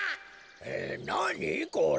えなにこれ？